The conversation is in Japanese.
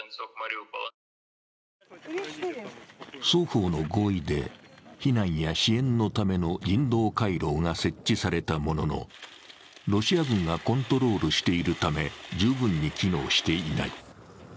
双方の合意で、避難や支援のための人道回廊が設置されたもののロシア軍がコントロールしているため十分に機能していない。